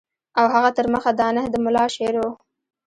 او هغه تر مخه دانه د ملا شعر وو.